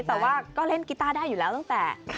แต่ว่าก็เล่นกีต้าได้อยู่แล้วตั้งแต่